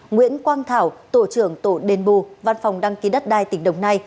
nguyễn quang thảo tổ trưởng tổ đền bù văn phòng đăng ký đất đai tỉnh đồng nai